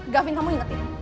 gavin kamu ingat ya